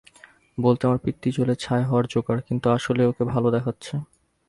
বলতে আমার পিত্তি জ্বলে ছাই হওয়ার জোগাড়, কিন্তু আসলেই ওকে ভালো দেখাচ্ছে।